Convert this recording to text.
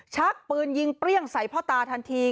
ชักปืนยิงเปรี้ยงใส่พ่อตาทันที